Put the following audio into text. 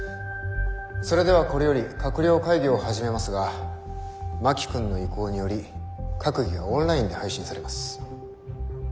それではこれより閣僚会議を始めますが真木君の意向により閣議はオンラインで配信されます。